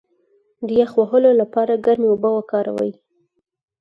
د یخ وهلو لپاره ګرمې اوبه وکاروئ